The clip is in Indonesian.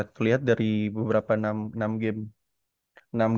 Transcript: terlihat dari beberapa enam game